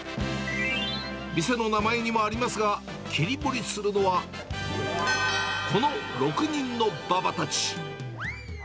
店の名前にもありますが、切り盛りするのは、この６人のババたち。